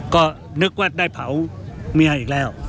ก็นึกว่าได้เผาเมียอีกแล้ว